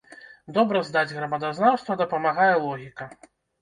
Добра здаць грамадазнаўства дапамагае логіка.